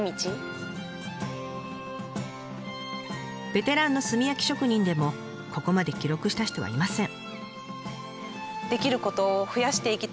ベテランの炭焼き職人でもここまで記録した人はいません。